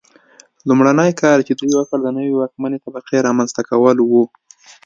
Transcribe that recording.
لومړنی کار چې دوی وکړ د نوې واکمنې طبقې رامنځته کول و.